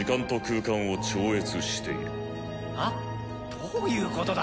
どういうことだ？